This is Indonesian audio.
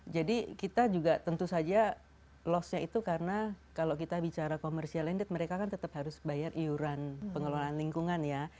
jadi kita juga tentu saja lossnya itu karena kalau kita bicara komersial landed mereka kan tetap harus bayar iuran pengelolaan lingkungan ya